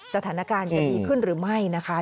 สถานการณ์จะดีขึ้นหรือไม่นะคะ